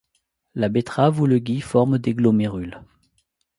La betterave ou le gui forment des glomérules.